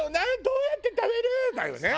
どうやって食べる？」だよね。